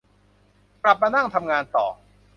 กลับมานั่งทำงานต่อ